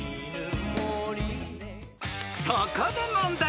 ［そこで問題］